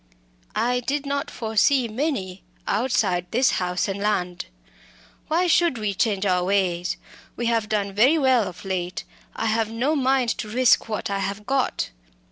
"I did not foresee many, outside this house and land. Why should we change our ways? We have done very well of late. I have no mind to risk what I have got."